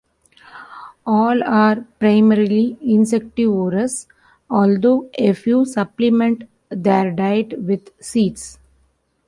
All are primarily insectivorous, although a few supplement their diet with seeds.